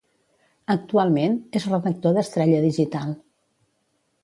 "Actualment, és redactor d'Estrella Digital"